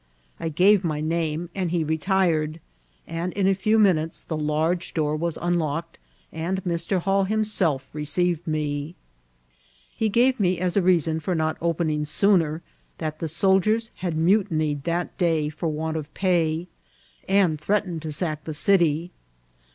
I gave my name, and he retired ; and in a few minutes the large door was unlocked, and Mr. Hall himself received me* He gave me as a reason for not opening sooner, that the soldiers had mutinied that day for want of pay, and threatened to sack the city.